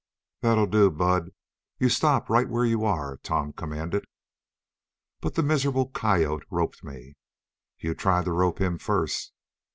"That'll do, Bud! You stop right where you are!" Tom commanded. "But the miserable coyote roped me." "You tried to rope him first."